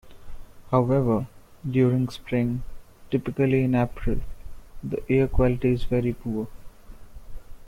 However, during Spring, typically in April, the air quality is very poor.